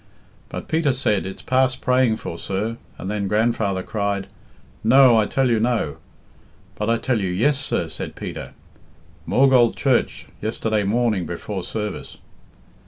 But Peter said, 'It's past praying for, sir,' and then grandfather cried, 'No, I tell you no.' 'But I tell you yes, sir,' said Peter. 'Maughold Church yesterday morning before service.'